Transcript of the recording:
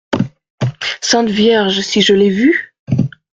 Sainte Vierge ! si je l’ai vu ?…